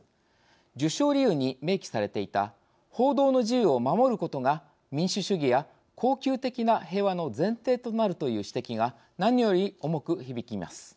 授賞理由に明記されていた報道の自由を守ることが民主主義や恒久的な平和の前提となるという指摘が何より重く響きます。